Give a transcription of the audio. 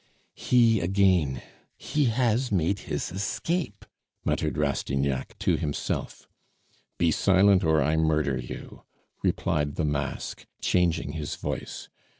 "He again he has made his escape!" muttered Rastignac to himself. "Be silent or I murder you," replied the mask, changing his voice.